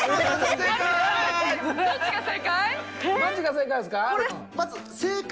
どっちが正解？